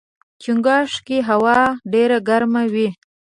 چنګاښ کې هوا ډېره ګرمه وي.